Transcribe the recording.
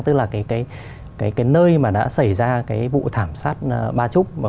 tức là cái nơi mà đã xảy ra cái vụ thảm sát ba trúc